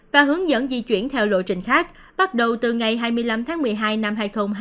và hướng dẫn di chuyển theo lộ trình khác bắt đầu từ ngày hai mươi năm tháng một mươi hai năm hai nghìn hai mươi